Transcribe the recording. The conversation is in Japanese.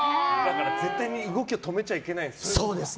絶対に動きを止めちゃいけないんですね。